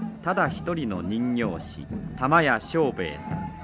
一人の人形師玉屋庄兵衛さん。